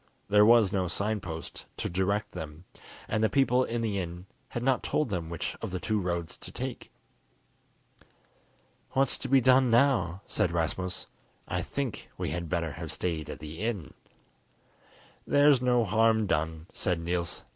There was no sign post to direct them, and the people in the inn had not told them which of the two roads to take. "What's to be done now?" said Rasmus. "I think we had better have stayed at the inn." "There's no harm done," said Niels.